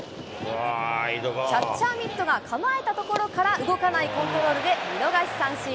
キャッチャーミットが構えた所から動かないコントロールで、見逃し三振。